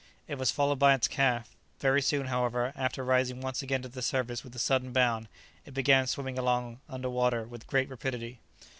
It was followed by its calf; very soon, however, after rising once again to the surface with a sudden bound, it began swimming along under water with great rapidity.